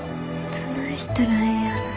どないしたらええんやろ。